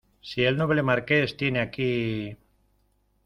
si el noble Marqués tiene aquí...